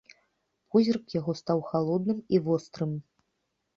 Позірк яго стаў халодным і вострым.